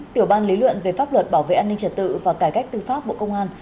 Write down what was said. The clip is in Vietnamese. tiểu ban lý luận về pháp luật bảo vệ an ninh trật tự và cải cách tư pháp bộ công an